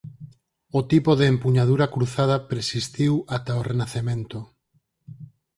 O tipo de empuñadura cruzada persistiu ata o Renacemento.